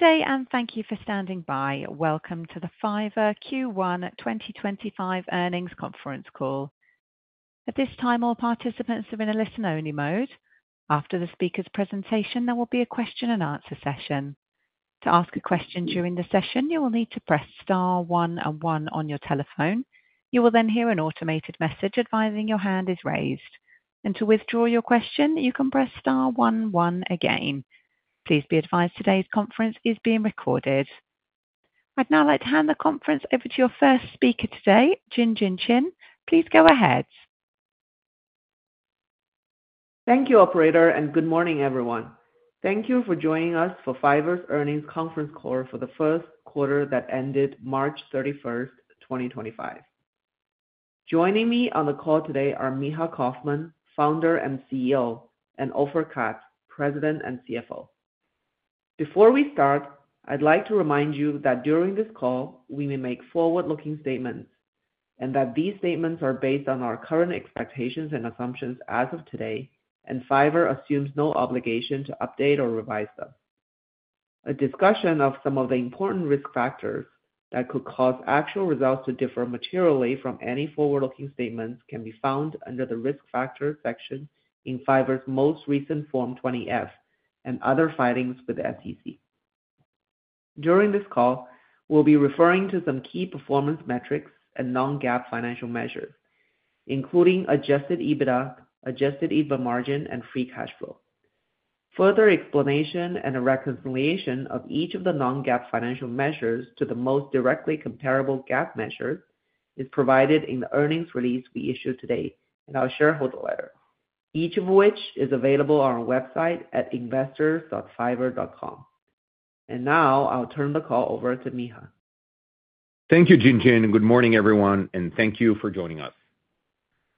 Good day, and thank you for standing by. Welcome to the Fiverr Q1 2025 earnings conference call. At this time, all participants are in a listen-only mode. After the speaker's presentation, there will be a question-and-answer session. To ask a question during the session, you will need to press star one and one on your telephone. You will then hear an automated message advising your hand is raised. To withdraw your question, you can press star one one again. Please be advised today's conference is being recorded. I'd now like to hand the conference over to your first speaker today, Jinjin Qian. Please go ahead. Thank you, Operator, and good morning, everyone. Thank you for joining us for Fiverr's earnings conference call for the first quarter that ended March 31, 2025. Joining me on the call today are Micha Kaufman, Founder and CEO, and Ofer Katz, President and CFO. Before we start, I'd like to remind you that during this call, we may make forward-looking statements and that these statements are based on our current expectations and assumptions as of today, and Fiverr assumes no obligation to update or revise them. A discussion of some of the important risk factors that could cause actual results to differ materially from any forward-looking statements can be found under the risk factor section in Fiverr's most recent Form 20-F and other filings with the SEC. During this call, we'll be referring to some key performance metrics and non-GAAP financial measures, including adjusted EBITDA, adjusted EBITDA margin, and free cash flow. Further explanation and a reconciliation of each of the non-GAAP financial measures to the most directly comparable GAAP measures is provided in the earnings release we issued today in our shareholder letter, each of which is available on our website at investors.fiverr.com. I will now turn the call over to Micha. Thank you, Jinjin, and good morning, everyone, and thank you for joining us.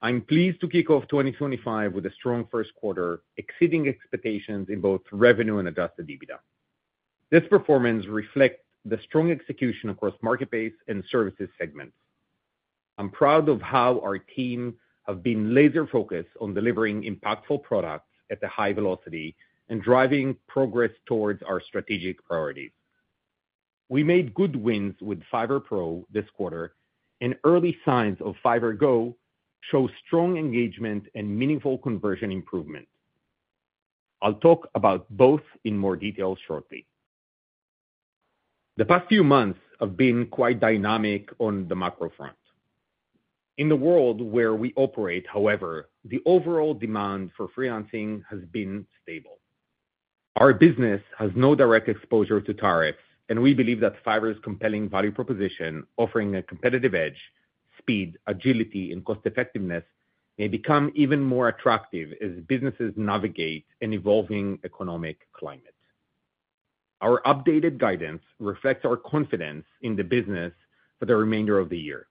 I'm pleased to kick off 2025 with a strong first quarter, exceeding expectations in both revenue and adjusted EBITDA. This performance reflects the strong execution across marketplace and services segments. I'm proud of how our team has been laser-focused on delivering impactful products at a high velocity and driving progress towards our strategic priorities. We made good wins with Fiverr Pro this quarter, and early signs of Fiverr Go show strong engagement and meaningful conversion improvement. I'll talk about both in more detail shortly. The past few months have been quite dynamic on the macro front. In the world where we operate, however, the overall demand for freelancing has been stable. Our business has no direct exposure to tariffs, and we believe that Fiverr's compelling value proposition, offering a competitive edge, speed, agility, and cost-effectiveness, may become even more attractive as businesses navigate an evolving economic climate. Our updated guidance reflects our confidence in the business for the remainder of the year.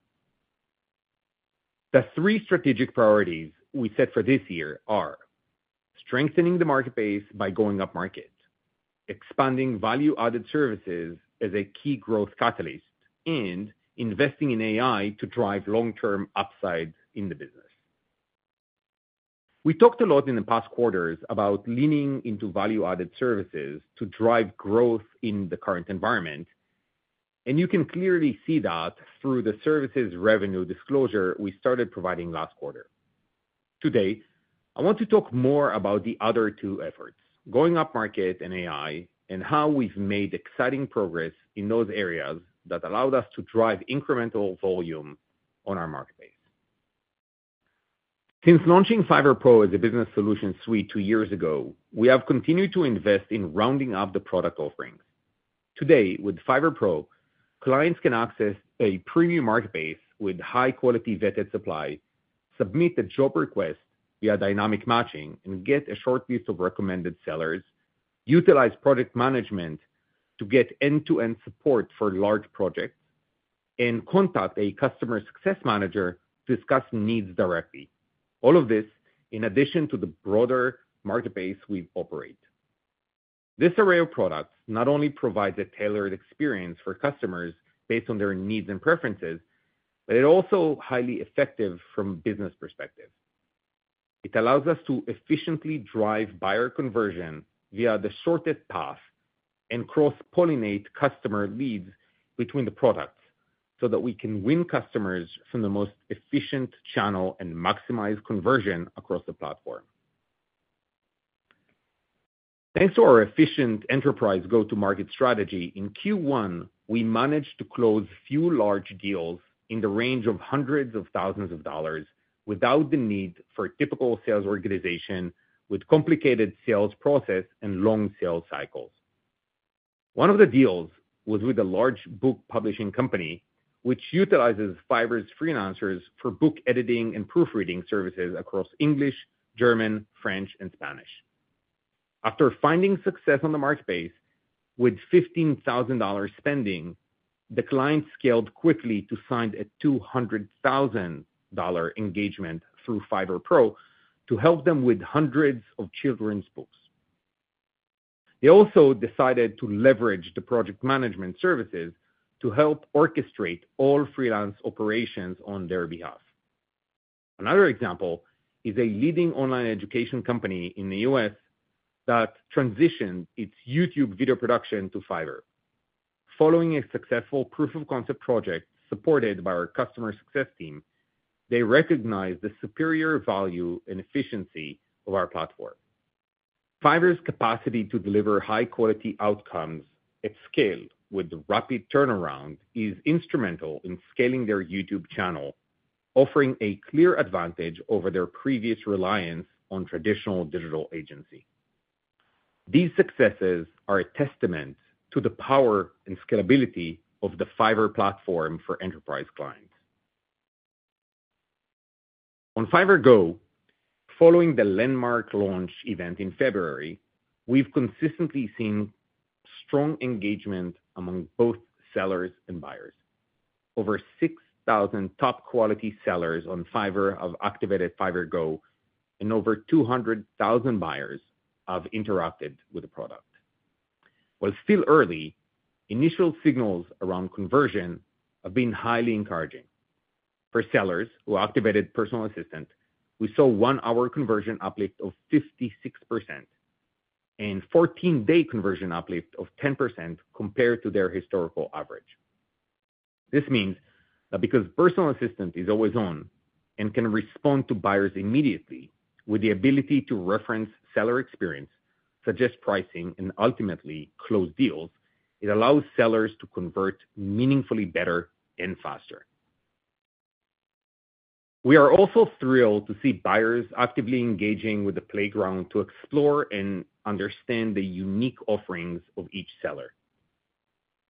The three strategic priorities we set for this year are strengthening the marketplace by going up market, expanding value-added services as a key growth catalyst, and investing in AI to drive long-term upside in the business. We talked a lot in the past quarters about leaning into value-added services to drive growth in the current environment, and you can clearly see that through the services revenue disclosure we started providing last quarter. Today, I want to talk more about the other two efforts, going up market and AI, and how we've made exciting progress in those areas that allowed us to drive incremental volume on our marketplace. Since launching Fiverr Pro as a business solution suite two years ago, we have continued to invest in rounding up the product offerings. Today, with Fiverr Pro, clients can access a premium marketplace with high-quality vetted supply, submit a job request via Dynamic Matching, and get a shortlist of recommended sellers, utilize product management to get end-to-end support for large projects, and contact a customer success manager to discuss needs directly. All of this in addition to the broader marketplace we operate. This array of products not only provides a tailored experience for customers based on their needs and preferences, but it's also highly effective from a business perspective. It allows us to efficiently drive buyer conversion via the shortest path and cross-pollinate customer leads between the products so that we can win customers from the most efficient channel and maximize conversion across the platform. Thanks to our efficient enterprise go-to-market strategy, in Q1, we managed to close a few large deals in the range of hundreds of thousands of dollars without the need for a typical sales organization with complicated sales processes and long sales cycles. One of the deals was with a large book publishing company, which utilizes Fiverr's freelancers for book editing and proofreading services across English, German, French, and Spanish. After finding success on the marketplace with $15,000 spending, the client scaled quickly to sign a $200,000 engagement through Fiverr Pro to help them with hundreds of children's books. They also decided to leverage the project management services to help orchestrate all freelance operations on their behalf. Another example is a leading online education company in the U.S. that transitioned its YouTube video production to Fiverr. Following a successful proof-of-concept project supported by our customer success team, they recognized the superior value and efficiency of our platform. Fiverr's capacity to deliver high-quality outcomes at scale with rapid turnaround is instrumental in scaling their YouTube channel, offering a clear advantage over their previous reliance on traditional digital agency. These successes are a testament to the power and scalability of the Fiverr platform for enterprise clients. On Fiverr Go, following the landmark launch event in February, we've consistently seen strong engagement among both sellers and buyers. Over 6,000 top-quality sellers on Fiverr have activated Fiverr Go, and over 200,000 buyers have interacted with the product. While still early, initial signals around conversion have been highly encouraging. For sellers who activated Personal Assistant, we saw a one-hour conversion uplift of 56% and a 14-day conversion uplift of 10% compared to their historical average. This means that because Personal Assistant is always on and can respond to buyers immediately with the ability to reference seller experience, suggest pricing, and ultimately close deals, it allows sellers to convert meaningfully better and faster. We are also thrilled to see buyers actively engaging with the playground to explore and understand the unique offerings of each seller.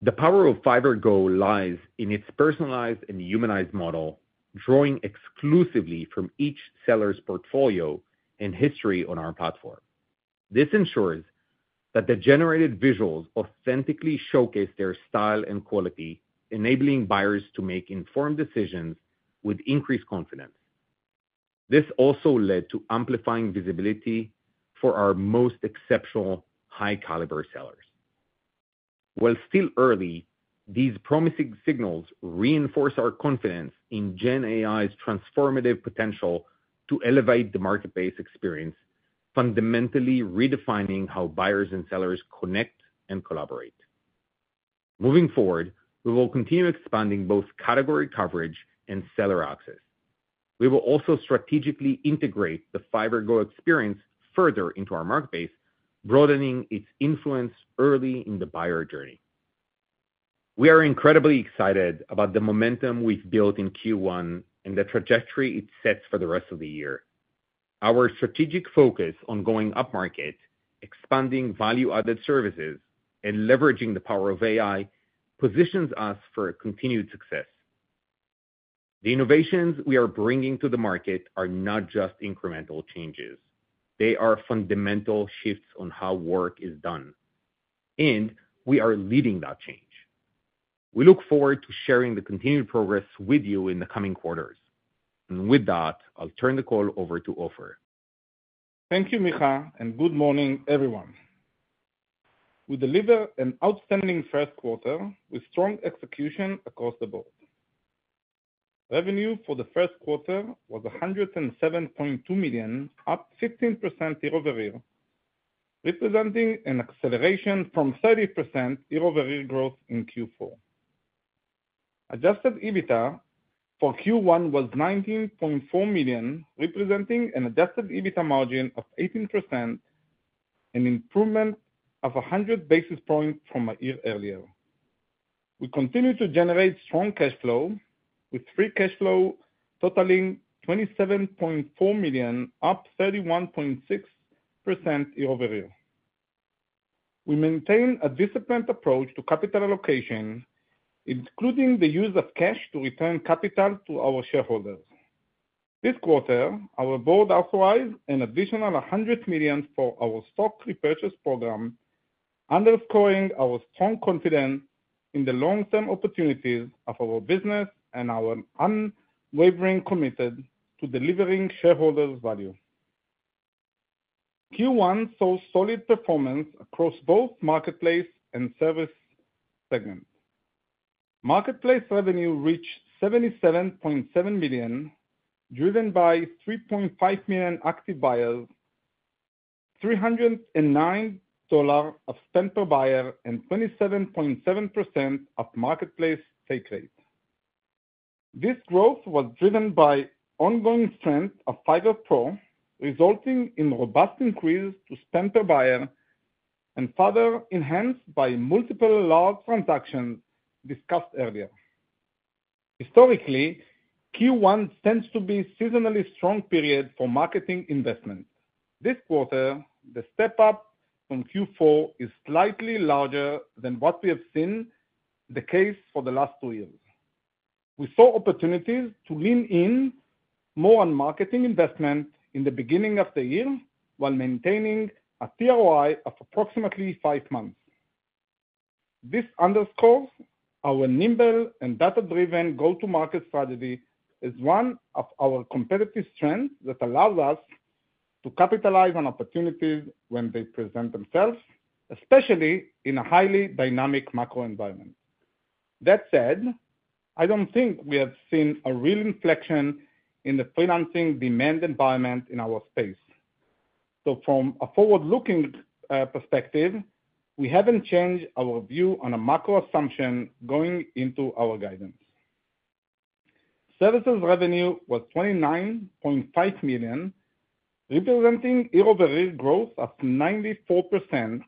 The power of Fiverr Go lies in its personalized and humanized model, drawing exclusively from each seller's portfolio and history on our platform. This ensures that the generated visuals authentically showcase their style and quality, enabling buyers to make informed decisions with increased confidence. This also led to amplifying visibility for our most exceptional high-caliber sellers. While still early, these promising signals reinforce our confidence in GenAI's transformative potential to elevate the marketplace experience, fundamentally redefining how buyers and sellers connect and collaborate. Moving forward, we will continue expanding both category coverage and seller access. We will also strategically integrate the Fiverr Go experience further into our marketplace, broadening its influence early in the buyer journey. We are incredibly excited about the momentum we've built in Q1 and the trajectory it sets for the rest of the year. Our strategic focus on going up market, expanding value-added services, and leveraging the power of AI positions us for continued success. The innovations we are bringing to the market are not just incremental changes. They are fundamental shifts on how work is done, and we are leading that change. We look forward to sharing the continued progress with you in the coming quarters. With that, I'll turn the call over to Ofer. Thank you, Micha, and good morning, everyone. We delivered an outstanding first quarter with strong execution across the board. Revenue for the first quarter was $107.2 million, up 15% year-over-year, representing an acceleration from 30% year-over-year growth in Q4. Adjusted EBITDA for Q1 was $19.4 million, representing an adjusted EBITDA margin of 18%, an improvement of 100 basis points from a year earlier. We continue to generate strong cash flow, with free cash flow totaling $27.4 million, up 31.6% year-over-year. We maintain a disciplined approach to capital allocation, including the use of cash to return capital to our shareholders. This quarter, our board authorized an additional $100 million for our stock repurchase program, underscoring our strong confidence in the long-term opportunities of our business and our unwavering commitment to delivering shareholders' value. Q1 saw solid performance across both marketplace and service segments. Marketplace revenue reached $77.7 million, driven by 3.5 million active buyers, $309 of spend per buyer, and 27.7% of marketplace take rate. This growth was driven by ongoing strength of Fiverr Pro, resulting in a robust increase to spend per buyer and further enhanced by multiple large transactions discussed earlier. Historically, Q1 tends to be a seasonally strong period for marketing investment. This quarter, the step up from Q4 is slightly larger than what we have seen the case for the last two years. We saw opportunities to lean in more on marketing investment in the beginning of the year while maintaining a TROI of approximately five months. This underscores our nimble and data-driven go-to-market strategy as one of our competitive strengths that allows us to capitalize on opportunities when they present themselves, especially in a highly dynamic macro environment. That said, I don't think we have seen a real inflection in the freelancing demand environment in our space. From a forward-looking perspective, we haven't changed our view on a macro assumption going into our guidance. Services revenue was $29.5 million, representing year-over-year growth of 94%,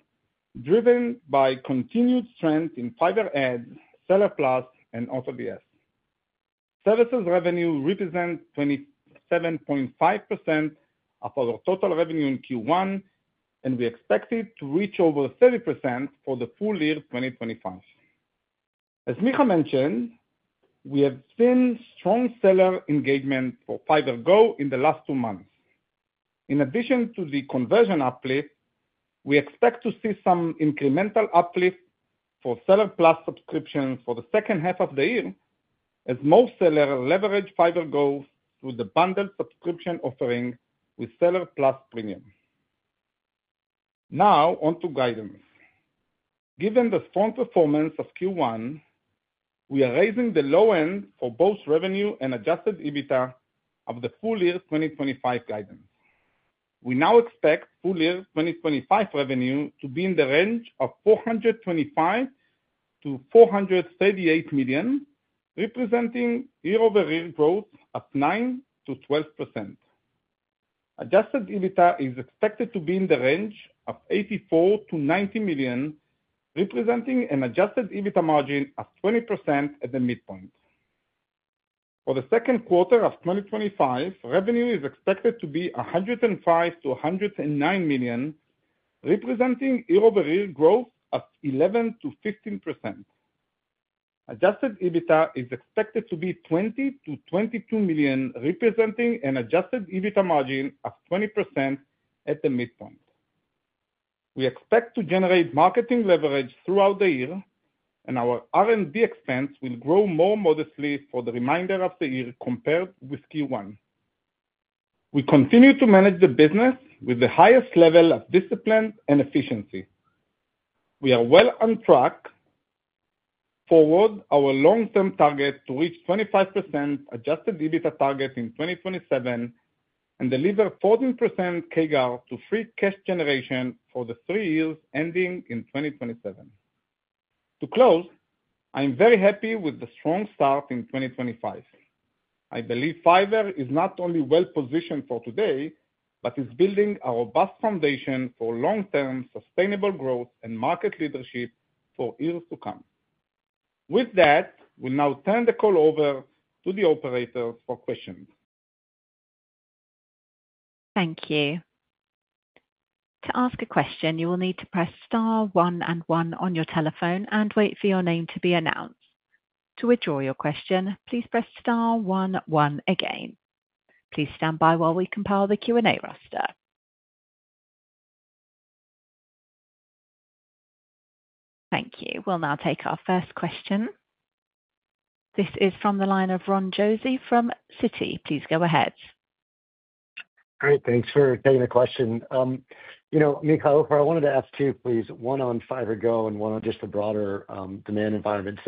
driven by continued strength in Fiverr Ads, Seller Plus, and AutoDS. Services revenue represents 27.5% of our total revenue in Q1, and we expect it to reach over 30% for the full year 2025. As Micha mentioned, we have seen strong seller engagement for Fiverr Go in the last two months. In addition to the conversion uplift, we expect to see some incremental uplift for Seller Plus subscriptions for the second half of the year as most sellers leverage Fiverr Go through the bundled subscription offering with Seller Plus Premium. Now, on to guidance. Given the strong performance of Q1, we are raising the low end for both revenue and adjusted EBITDA of the full year 2025 guidance. We now expect full year 2025 revenue to be in the range of $425 million-$438 million, representing year-over-year growth of 9%-12%. Adjusted EBITDA is expected to be in the range of $84 million-$90 million, representing an adjusted EBITDA margin of 20% at the midpoint. For the second quarter of 2025, revenue is expected to be $105 million-$109 million, representing year-over-year growth of 11%-15%. Adjusted EBITDA is expected to be $20 million-$22 million, representing an adjusted EBITDA margin of 20% at the midpoint. We expect to generate marketing leverage throughout the year, and our R&D expense will grow more modestly for the remainder of the year compared with Q1. We continue to manage the business with the highest level of discipline and efficiency. We are well on track toward our long-term target to reach 25% adjusted EBITDA target in 2027 and deliver 14% CAGR to free cash generation for the three years ending in 2027. To close, I'm very happy with the strong start in 2025. I believe Fiverr is not only well-positioned for today, but is building a robust foundation for long-term sustainable growth and market leadership for years to come. With that, we'll now turn the call over to the operators for questions. Thank you. To ask a question, you will need to press star one and one on your telephone and wait for your name to be announced. To withdraw your question, please press star one one again. Please stand by while we compile the Q&A roster. Thank you. We'll now take our first question. This is from the line of Ron Josey from Citi. Please go ahead. Great. Thanks for taking the question. You know, Micha, Ofer, I wanted to ask too, please, one on Fiverr Go and one on just the broader demand environment.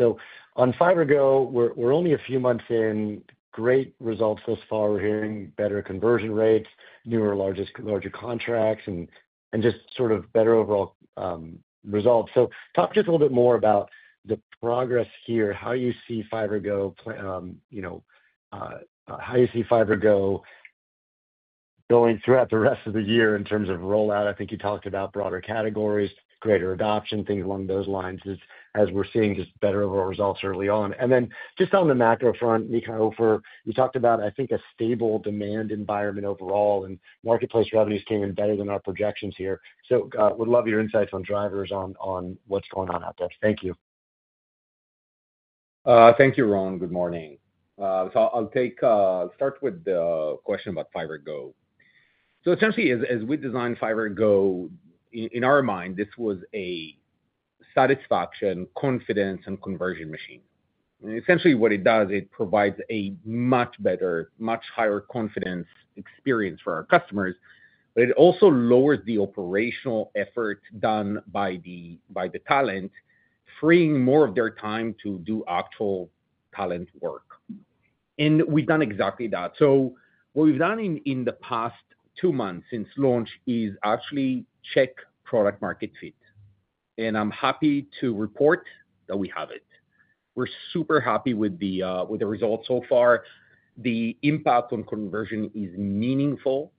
On Fiverr Go, we're only a few months in. Great results thus far. We're hearing better conversion rates, newer, larger contracts, and just sort of better overall results. Talk just a little bit more about the progress here, how you see Fiverr Go, you know, how you see Fiverr Go going throughout the rest of the year in terms of rollout. I think you talked about broader categories, greater adoption, things along those lines as we're seeing just better overall results early on. Just on the macro front, Micha Kaufman, you talked about, I think, a stable demand environment overall, and marketplace revenues came in better than our projections here. Would love your insights on drivers on what's going on out there. Thank you. Thank you, Ron. Good morning. I'll start with the question about Fiverr Go. Essentially, as we designed Fiverr Go, in our mind, this was a satisfaction, confidence, and conversion machine. Essentially, what it does, it provides a much better, much higher confidence experience for our customers, but it also lowers the operational effort done by the talent, freeing more of their time to do actual talent work. We've done exactly that. What we've done in the past two months since launch is actually check product-market fit. I'm happy to report that we have it. We're super happy with the results so far. The impact on conversion is meaningful,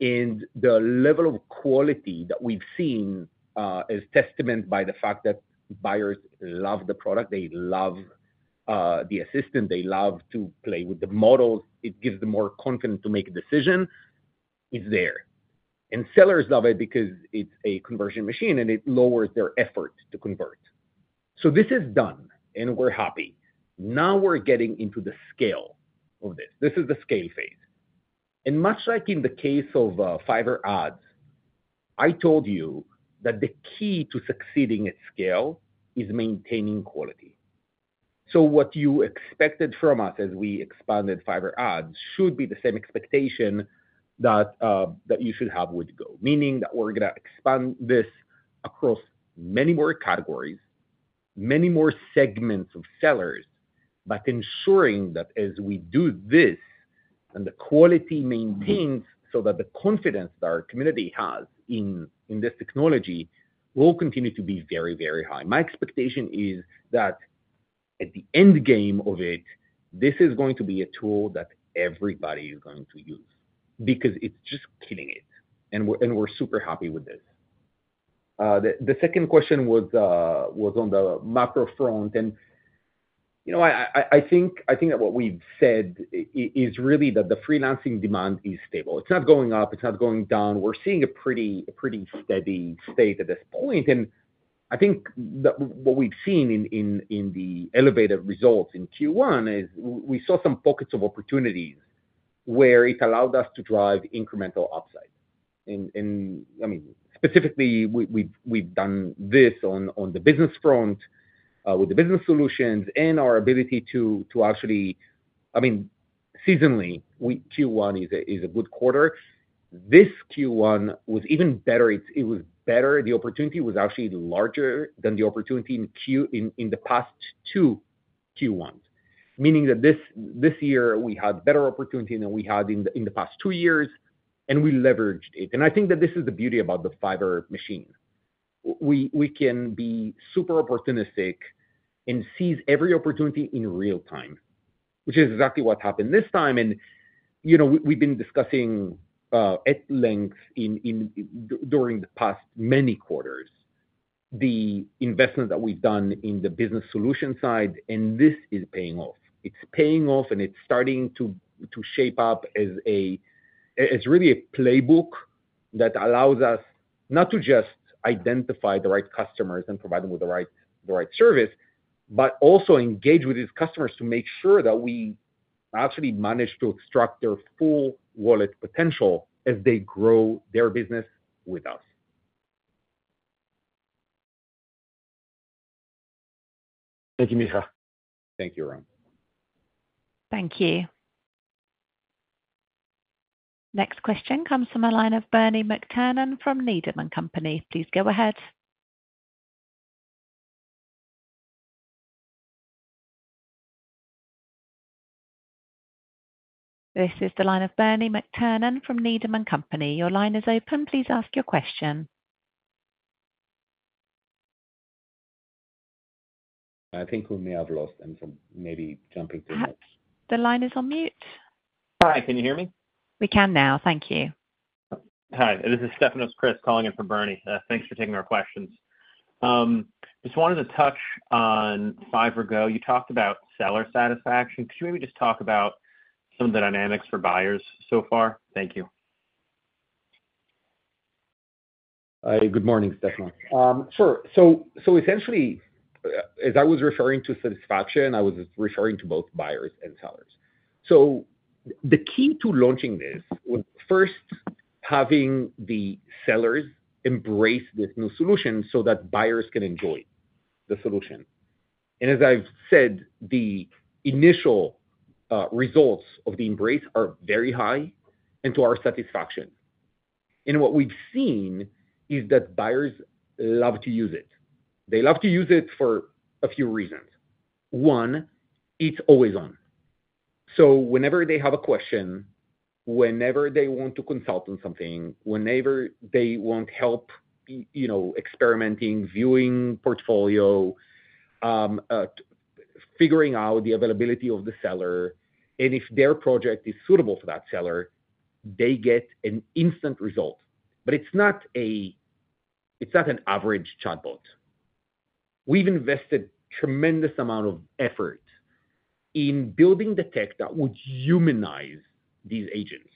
and the level of quality that we've seen is a testament by the fact that buyers love the product. They love the assistant. They love to play with the models. It gives them more confidence to make a decision. It's there. And sellers love it because it's a conversion machine, and it lowers their effort to convert. This is done, and we're happy. Now we're getting into the scale of this. This is the scale phase. Much like in the case of Fiverr Ads, I told you that the key to succeeding at scale is maintaining quality. What you expected from us as we expanded Fiverr Ads should be the same expectation that you should have with Go, meaning that we're going to expand this across many more categories, many more segments of sellers, but ensuring that as we do this and the quality maintains so that the confidence that our community has in this technology will continue to be very, very high. My expectation is that at the end game of it, this is going to be a tool that everybody is going to use because it's just killing it, and we're super happy with this. The second question was on the macro front, and you know, I think that what we've said is really that the freelancing demand is stable. It's not going up. It's not going down. We're seeing a pretty steady state at this point. I think that what we've seen in the elevated results in Q1 is we saw some pockets of opportunities where it allowed us to drive incremental upside. I mean, specifically, we've done this on the business front with the business solutions and our ability to actually, I mean, seasonally, Q1 is a good quarter. This Q1 was even better. It was better. The opportunity was actually larger than the opportunity in the past two Q1s, meaning that this year we had better opportunity than we had in the past two years, and we leveraged it. I think that this is the beauty about the Fiverr machine. We can be super opportunistic and seize every opportunity in real time, which is exactly what happened this time. You know, we've been discussing at length during the past many quarters the investment that we've done in the business solution side, and this is paying off. It's paying off, and it's starting to shape up as really a playbook that allows us not to just identify the right customers and provide them with the right service, but also engage with these customers to make sure that we actually manage to extract their full wallet potential as they grow their business with us. Thank you, Micha. Thank you, Ron. Thank you. Next question comes from the line of Bernie McTernan from Needham & Company. Please go ahead. This is the line of Bernie McTernan from Needham & Company. Your line is open. Please ask your question. I think we may have lost him from maybe jumping to mute. The line is on mute. Hi. Can you hear me? We can now. Thank you. Hi. This is Stefanos Crist calling in for Bernie. Thanks for taking our questions. Just wanted to touch on Fiverr Go. You talked about seller satisfaction. Could you maybe just talk about some of the dynamics for buyers so far? Thank you. Hi. Good morning, Stefanos. Sure. So, essentially, as I was referring to satisfaction, I was referring to both buyers and sellers. The key to launching this was first having the sellers embrace this new solution so that buyers can enjoy the solution. As I've said, the initial results of the embrace are very high and to our satisfaction. What we've seen is that buyers love to use it. They love to use it for a few reasons. One, it's always on. Whenever they have a question, whenever they want to consult on something, whenever they want help, you know, experimenting, viewing portfolio, figuring out the availability of the seller, and if their project is suitable for that seller, they get an instant result. It's not an average chatbot. We've invested a tremendous amount of effort in building the tech that would humanize these agents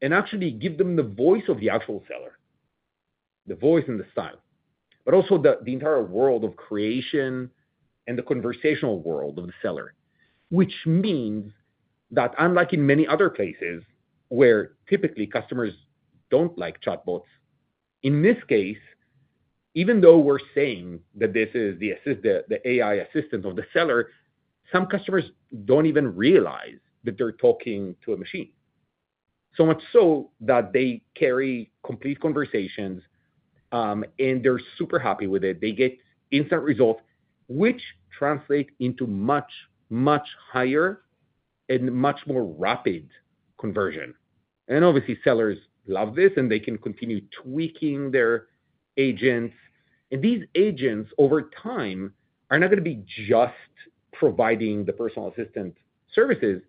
and actually give them the voice of the actual seller, the voice and the style, but also the entire world of creation and the conversational world of the seller, which means that unlike in many other places where typically customers do not like chatbots, in this case, even though we are saying that this is the AI assistant of the seller, some customers do not even realize that they are talking to a machine. So much so that they carry complete conversations, and they are super happy with it. They get instant results, which translate into much, much higher and much more rapid conversion. Obviously, sellers love this, and they can continue tweaking their agents. These agents, over time, are not going to be just providing the personal assistant services,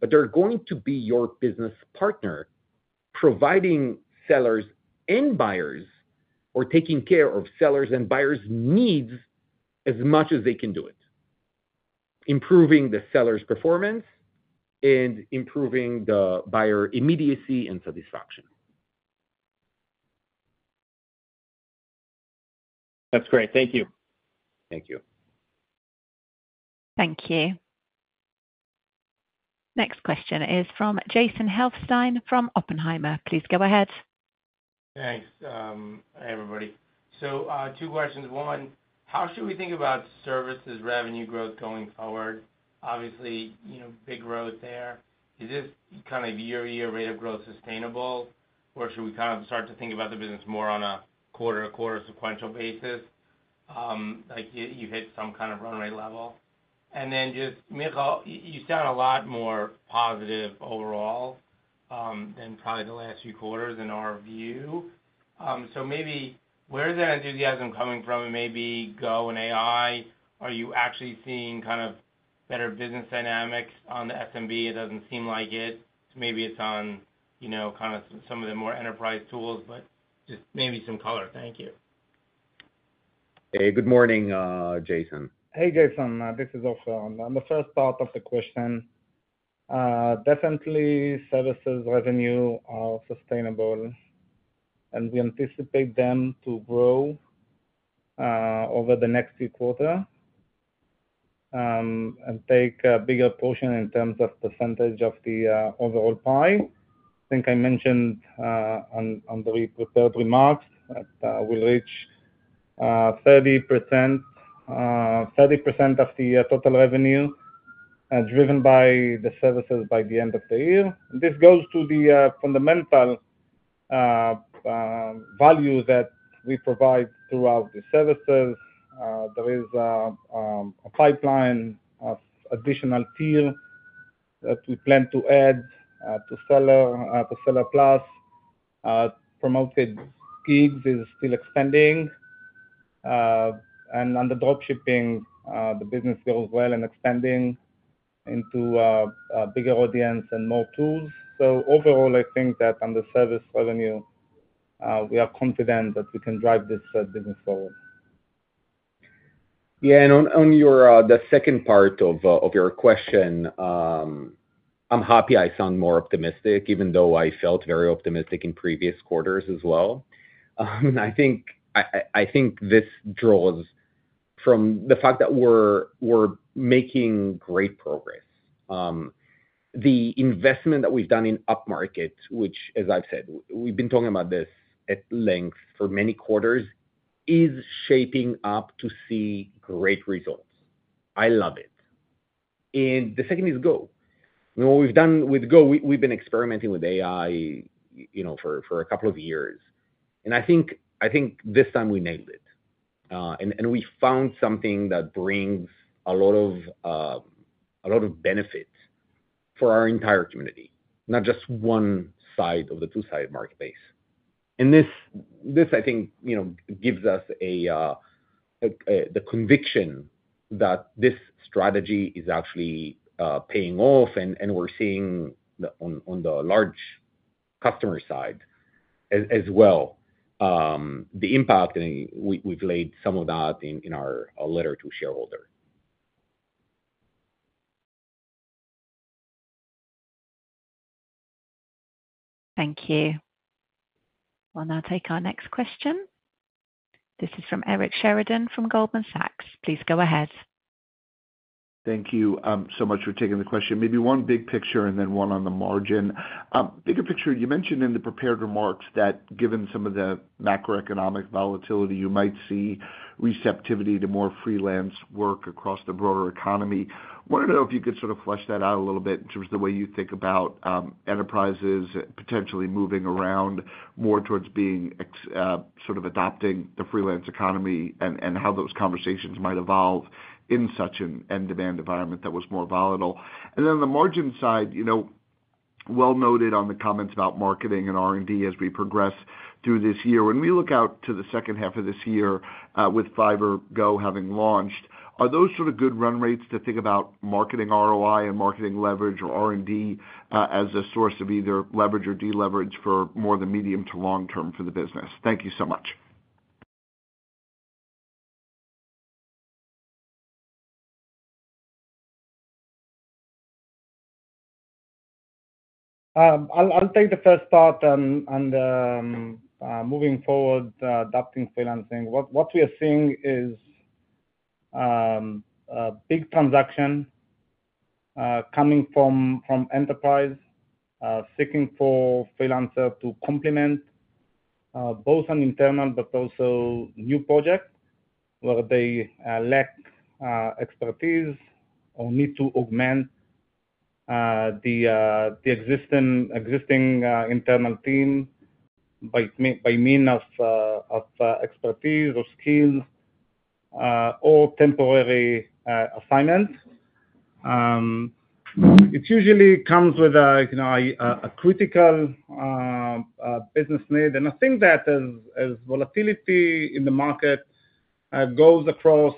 but they're going to be your business partner, providing sellers and buyers or taking care of sellers and buyers' needs as much as they can do it, improving the seller's performance and improving the buyer immediacy and satisfaction. That's great. Thank you. Thank you. Thank you. Next question is from Jason Helfstein from Oppenheimer. Please go ahead. Thanks. Hi, everybody. Two questions. One, how should we think about service as revenue growth going forward? Obviously, you know, big growth there. Is this kind of year-to-year rate of growth sustainable, or should we kind of start to think about the business more on a quarter-to-quarter sequential basis? Like, you hit some kind of run rate level. Micha, you sound a lot more positive overall than probably the last few quarters in our view. Maybe where is that enthusiasm coming from? Maybe Go and AI, are you actually seeing kind of better business dynamics on the SMB? It does not seem like it. Maybe it is on, you know, kind of some of the more enterprise tools, but just maybe some color. Thank you. Hey, good morning, Jason. Hey, Jason. This is Ofer. On the first part of the question, definitely, services revenue are sustainable, and we anticipate them to grow over the next few quarters and take a bigger portion in terms of percentage of the overall pie. I think I mentioned on the prepared remarks that we'll reach 30% of the total revenue driven by the services by the end of the year. This goes to the fundamental value that we provide throughout the services. There is a pipeline of additional tier that we plan to add to Seller Plus. Promoted Gigs is still expanding. On the dropshipping, the business goes well and expanding into a bigger audience and more tools. Overall, I think that on the service revenue, we are confident that we can drive this business forward. Yeah. On the second part of your question, I'm happy I sound more optimistic, even though I felt very optimistic in previous quarters as well. I think this draws from the fact that we're making great progress. The investment that we've done in upmarket, which, as I've said, we've been talking about this at length for many quarters, is shaping up to see great results. I love it. The second is Go. You know, what we've done with Go, we've been experimenting with AI, you know, for a couple of years. I think this time we nailed it. We found something that brings a lot of benefit for our entire community, not just one side of the two-sided marketplace. I think, you know, gives us the conviction that this strategy is actually paying off, and we're seeing on the large customer side as well the impact, and we've laid some of that in our letter to shareholder. Thank you. We'll now take our next question. This is from Eric Sheridan from Goldman Sachs. Please go ahead. Thank you so much for taking the question. Maybe one big picture and then one on the margin. Bigger picture, you mentioned in the prepared remarks that given some of the macroeconomic volatility, you might see receptivity to more freelance work across the broader economy. I wanted to know if you could sort of flesh that out a little bit in terms of the way you think about enterprises potentially moving around more towards being sort of adopting the freelance economy and how those conversations might evolve in such an end-to-end environment that was more volatile. On the margin side, you know, well noted on the comments about marketing and R&D as we progress through this year. When we look out to the second half of this year with Fiverr Go having launched, are those sort of good run rates to think about marketing ROI and marketing leverage or R&D as a source of either leverage or deleverage for more of the medium to long term for the business? Thank you so much. I'll take the first part on moving forward, adopting freelancing. What we are seeing is a big transaction coming from enterprise seeking for freelancers to complement both an internal but also new project where they lack expertise or need to augment the existing internal team by means of expertise or skills or temporary assignments. It usually comes with a critical business need. I think that as volatility in the market goes across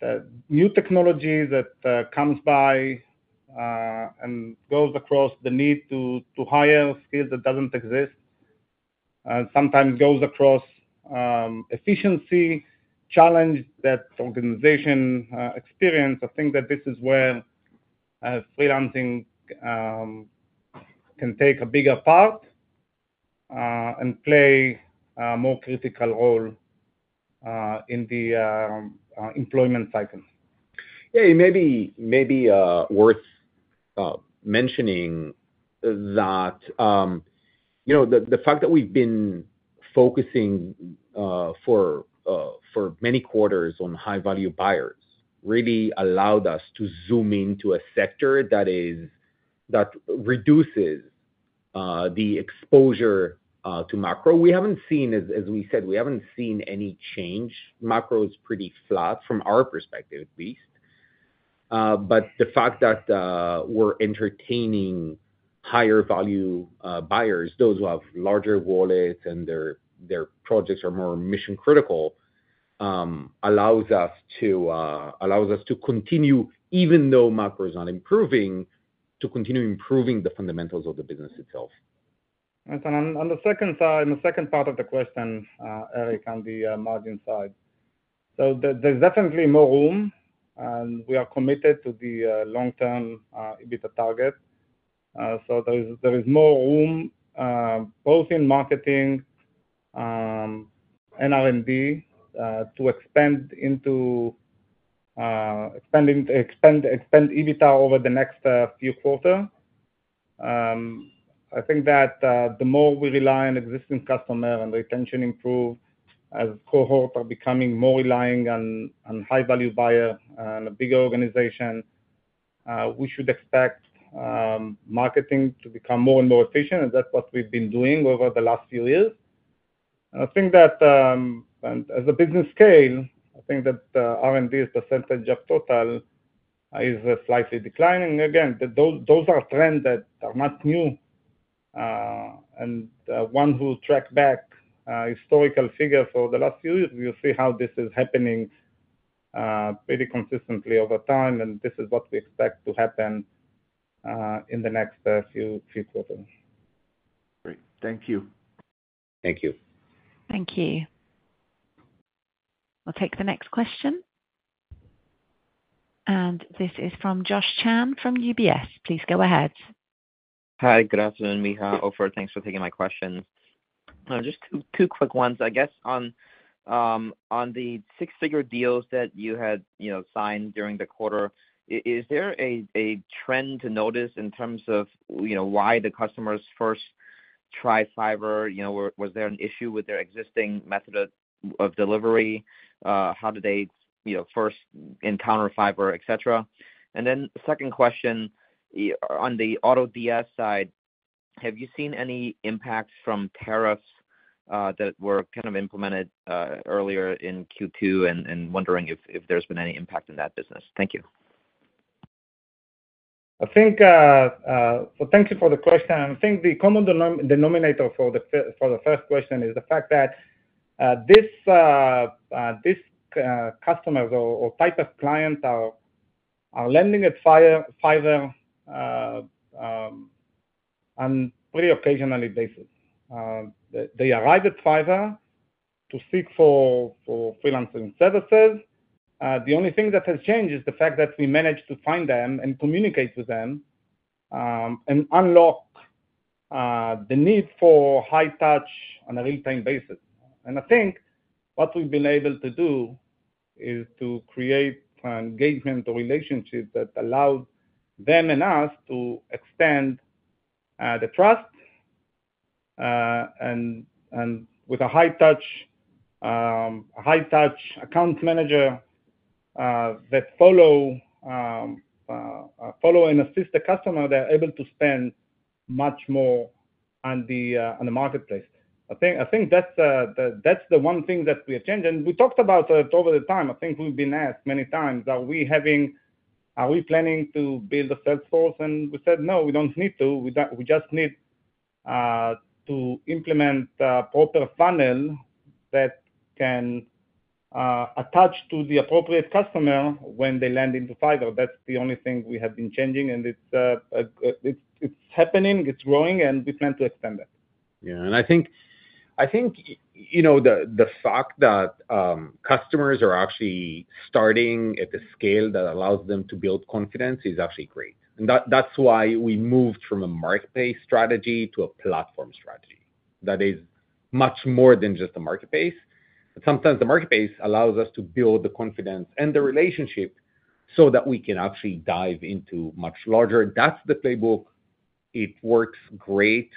the new technology that comes by and goes across the need to hire skills that do not exist, sometimes goes across efficiency, challenge that organization experience. I think that this is where freelancing can take a bigger part and play a more critical role in the employment cycle. Yeah. Maybe worth mentioning that, you know, the fact that we've been focusing for many quarters on high-value buyers really allowed us to zoom into a sector that reduces the exposure to macro. We haven't seen, as we said, we haven't seen any change. Macro is pretty flat from our perspective, at least. The fact that we're entertaining higher-value buyers, those who have larger wallets and their projects are more mission-critical, allows us to continue, even though macro is not improving, to continue improving the fundamentals of the business itself. On the second side, the second part of the question, Eric, on the margin side. There is definitely more room, and we are committed to the long-term EBITDA target. There is more room both in marketing and R&D to expand EBITDA over the next few quarters. I think that the more we rely on existing customers and retention improves as cohorts are becoming more relying on high-value buyers and a bigger organization, we should expect marketing to become more and more efficient, and that's what we've been doing over the last few years. I think that as the business scales, I think that R&D percentage of total is slightly declining. Again, those are trends that are not new. One who tracks back historical figures for the last few years, you'll see how this is happening pretty consistently over time, and this is what we expect to happen in the next few quarters. Great. Thank you. Thank you. Thank you. We'll take the next question. This is from Josh Chan from UBS. Please go ahead. Hi, good afternoon, Micha. Ofer, thanks for taking my questions. Just two quick ones. I guess on the six-figure deals that you had signed during the quarter, is there a trend to notice in terms of why the customers first tried Fiverr? You know, was there an issue with their existing method of delivery? How did they first encounter Fiverr, etc.? Second question, on the AutoDS side, have you seen any impact from tariffs that were kind of implemented earlier in Q2? Wondering if there's been any impact in that business. Thank you. Thank you for the question. I think the common denominator for the first question is the fact that these customers or type of clients are landing at Fiverr on a pretty occasional basis. They arrive at Fiverr to seek for freelancing services. The only thing that has changed is the fact that we managed to find them and communicate with them and unlock the need for high touch on a real-time basis. I think what we've been able to do is to create engagement or relationships that allow them and us to extend the trust. With a high touch, a high touch account manager that follows and assists the customer, they're able to spend much more on the marketplace. I think that's the one thing that we have changed. We talked about it over the time. I think we've been asked many times, are we having, are we planning to build a sales force? We said, no, we don't need to. We just need to implement a proper funnel that can attach to the appropriate customer when they land into Fiverr. That's the only thing we have been changing, and it's happening, it's growing, and we plan to extend it. Yeah. I think, you know, the fact that customers are actually starting at the scale that allows them to build confidence is actually great. That is why we moved from a marketplace strategy to a platform strategy that is much more than just a marketplace. Sometimes the marketplace allows us to build the confidence and the relationship so that we can actually dive into much larger. That is the playbook. It works great,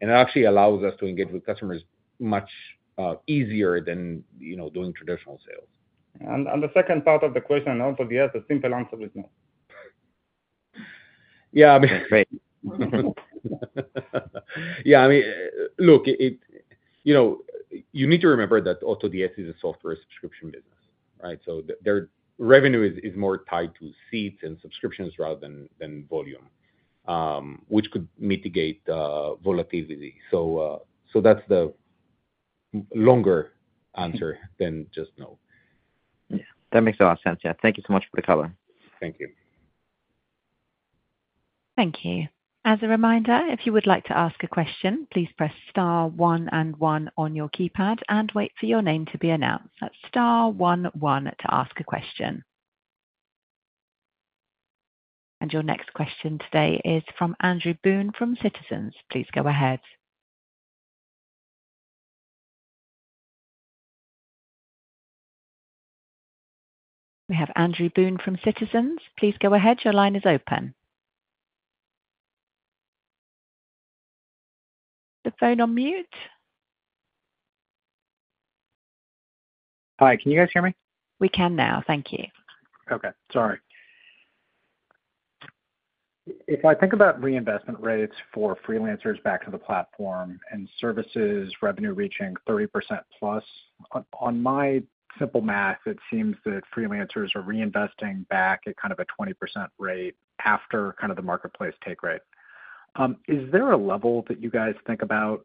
and it actually allows us to engage with customers much easier than, you know, doing traditional sales. The second part of the question on AutoDS, the simple answer is no. Yeah. I mean. Great. Yeah. I mean, look, you know, you need to remember that AutoDS is a software subscription business, right? So their revenue is more tied to seats and subscriptions rather than volume, which could mitigate volatility. That is the longer answer than just no. Yeah. That makes a lot of sense. Yeah. Thank you so much for the cover. Thank you. Thank you. As a reminder, if you would like to ask a question, please press star one and one on your keypad and wait for your name to be announced. That's star one, one to ask a question. Your next question today is from Andrew Boone from Citizens. Please go ahead. Your line is open. The phone on mute. Hi. Can you guys hear me? We can now. Thank you. Okay. Sorry. If I think about reinvestment rates for freelancers back to the platform and services revenue reaching 30% plus, on my simple math, it seems that freelancers are reinvesting back at kind of a 20% rate after kind of the marketplace take rate. Is there a level that you guys think about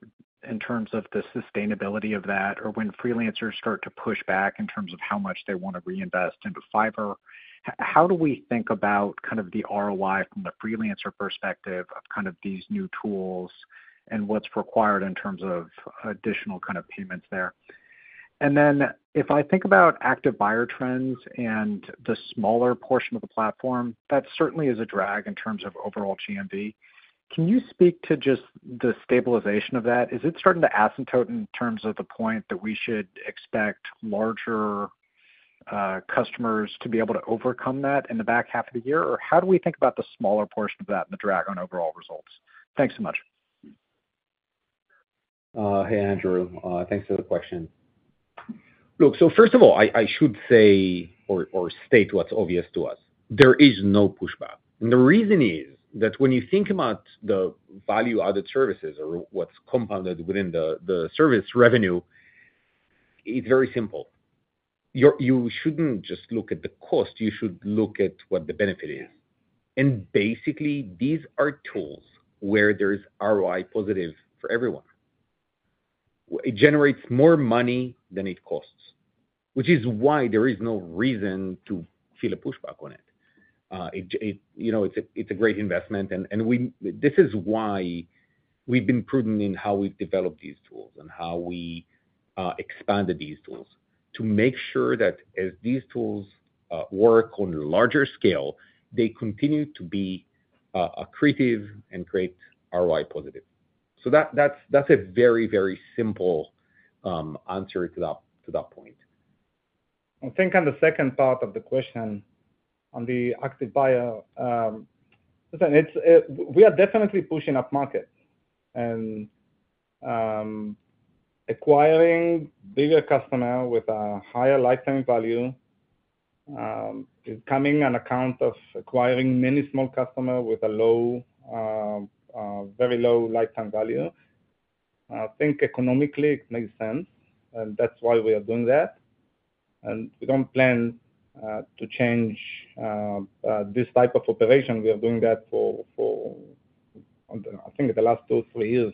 in terms of the sustainability of that, or when freelancers start to push back in terms of how much they want to reinvest into Fiverr? How do we think about kind of the ROI from the freelancer perspective of kind of these new tools and what's required in terms of additional kind of payments there? If I think about active buyer trends and the smaller portion of the platform, that certainly is a drag in terms of overall GMV. Can you speak to just the stabilization of that? Is it starting to asymptote in terms of the point that we should expect larger customers to be able to overcome that in the back half of the year? Or how do we think about the smaller portion of that and the drag on overall results? Thanks so much. Hey, Andrew. Thanks for the question. Look, first of all, I should say or state what's obvious to us. There is no pushback. The reason is that when you think about the value-added services or what's compounded within the service revenue, it's very simple. You shouldn't just look at the cost. You should look at what the benefit is. Basically, these are tools where there is ROI positive for everyone. It generates more money than it costs, which is why there is no reason to feel a pushback on it. You know, it's a great investment. This is why we've been prudent in how we've developed these tools and how we expanded these tools to make sure that as these tools work on a larger scale, they continue to be accretive and create ROI positive. That's a very, very simple answer to that point. I think on the second part of the question on the active buyer, we are definitely pushing up markets. Acquiring bigger customers with a higher lifetime value is coming on account of acquiring many small customers with a low, very low lifetime value. I think economically it makes sense, and that's why we are doing that. We do not plan to change this type of operation. We are doing that for, I think, the last two, three years.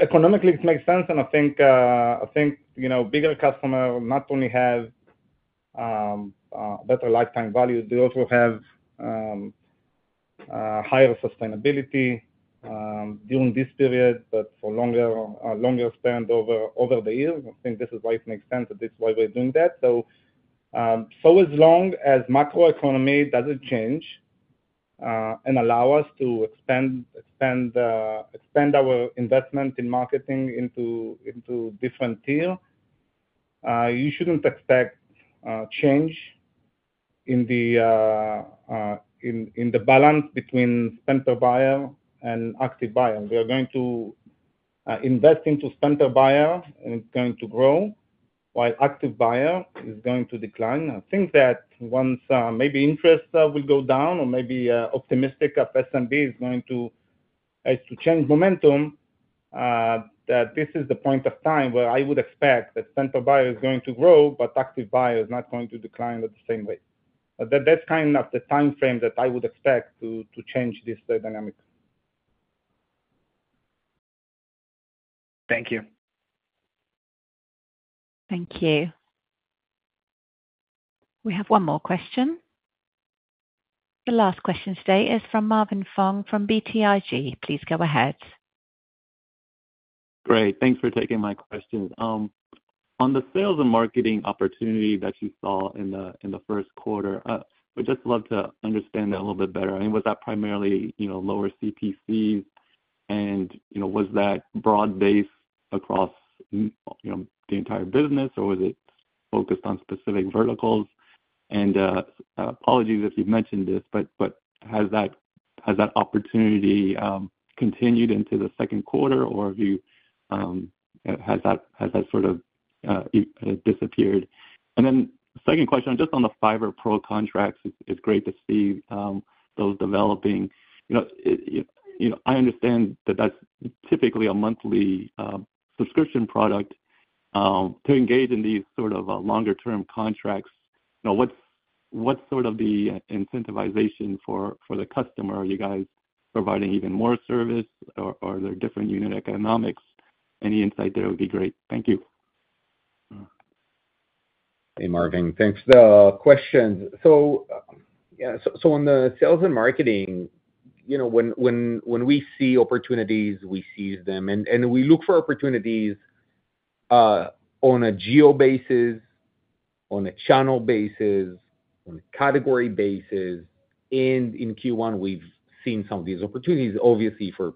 Economically, it makes sense. I think, you know, bigger customers not only have better lifetime value, they also have higher sustainability during this period, but for a longer span over the years. I think this is why it makes sense, and this is why we're doing that. As long as macroeconomy does not change and allows us to expand our investment in marketing into different tiers, you should not expect change in the balance between spend-per-buyer and active buyer. We are going to invest into spend-per-buyer, and it is going to grow, while active buyer is going to decline. I think that once maybe interest will go down or maybe optimistic of S&P is going to change momentum, that this is the point of time where I would expect that spend-per-buyer is going to grow, but active buyer is not going to decline at the same rate. That is kind of the time frame that I would expect to change this dynamic. Thank you. Thank you. We have one more question. The last question today is from Marvin Fong from BTIG. Please go ahead. Great. Thanks for taking my question. On the sales and marketing opportunity that you saw in the first quarter, I would just love to understand that a little bit better. I mean, was that primarily, you know, lower CPCs? You know, was that broad-based across, you know, the entire business, or was it focused on specific verticals? Apologies if you've mentioned this, but has that opportunity continued into the second quarter, or has that sort of disappeared? Second question, just on the Fiverr Pro contracts, it's great to see those developing. I understand that that's typically a monthly subscription product. To engage in these sort of longer-term contracts, you know, what's sort of the incentivization for the customer? Are you guys providing even more service, or are there different unit economics? Any insight there would be great. Thank you. Hey, Marvin. Thanks. The questions. On the sales and marketing, you know, when we see opportunities, we seize them. We look for opportunities on a geo basis, on a channel basis, on a category basis. In Q1, we've seen some of these opportunities, obviously for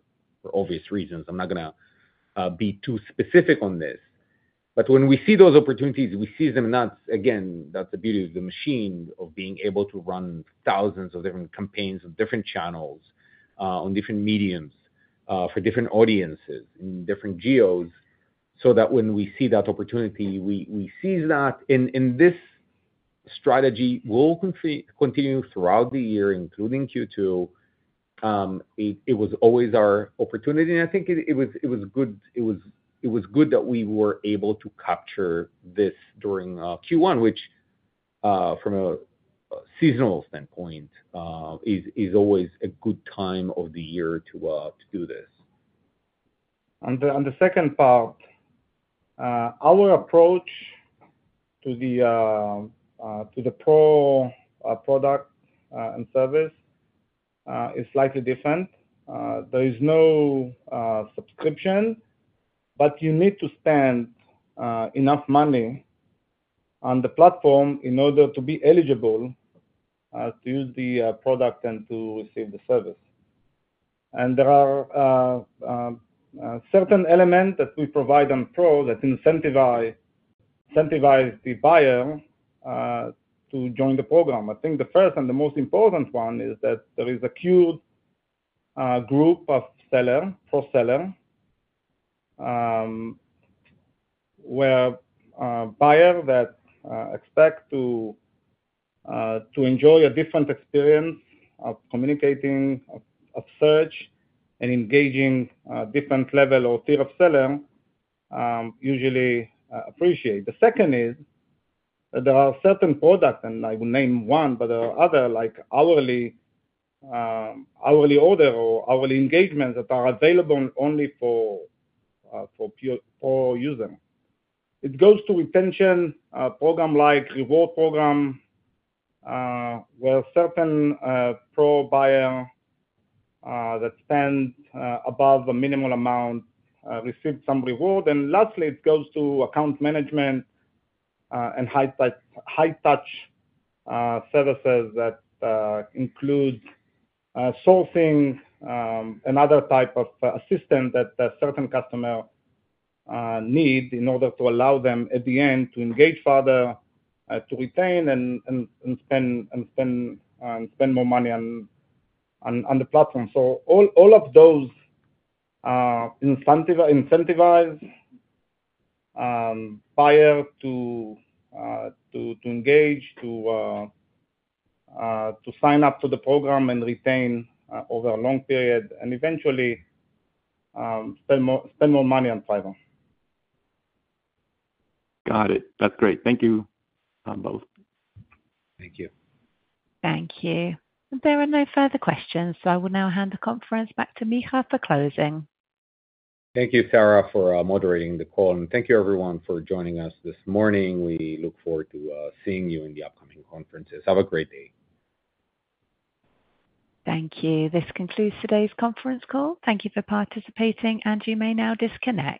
obvious reasons. I'm not going to be too specific on this. When we see those opportunities, we seize them. That's, again, that's the beauty of the machine, of being able to run thousands of different campaigns on different channels, on different mediums, for different audiences in different geos, so that when we see that opportunity, we seize that. This strategy will continue throughout the year, including Q2. It was always our opportunity. I think it was good that we were able to capture this during Q1, which, from a seasonal standpoint, is always a good time of the year to do this. On the second part, our approach to the Pro product and service is slightly different. There is no subscription, but you need to spend enough money on the platform in order to be eligible to use the product and to receive the service. There are certain elements that we provide on Pro that incentivize the buyer to join the program. I think the first and the most important one is that there is a queued group of sellers, Pro sellers, where a buyer that expects to enjoy a different experience of communicating, of search, and engaging different level or tier of sellers usually appreciates. The second is that there are certain products, and I will name one, but there are other, like hourly order or hourly engagements that are available only for Pro users. It goes to retention program like reward program, where certain Pro buyers that spend above a minimal amount receive some reward. Lastly, it goes to account management and high touch services that include sourcing another type of assistance that certain customers need in order to allow them at the end to engage further, to retain, and spend more money on the platform. All of those incentivize buyers to engage, to sign up to the program and retain over a long period, and eventually spend more money on Fiverr. Got it. That's great. Thank you both. Thank you. Thank you. There are no further questions, so I will now hand the conference back to Micha for closing. Thank you, Sarah, for moderating the call. Thank you, everyone, for joining us this morning. We look forward to seeing you in the upcoming conferences. Have a great day. Thank you. This concludes today's conference call. Thank you for participating, and you may now disconnect.